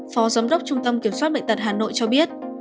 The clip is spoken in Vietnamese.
phó giám đốc trung tâm kiểm soát bệnh tật hà nội cho biết